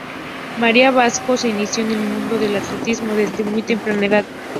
María Vasco se inició en el mundo del atletismo desde muy temprana edad.